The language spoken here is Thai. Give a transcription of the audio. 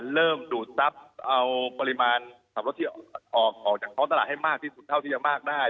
ดูดทรัพย์เอาปริมาณสับปะที่ออกจากท้องตลาดให้มากที่สุดเท่าที่จะมากได้